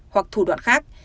hoặc thủ đoạn khác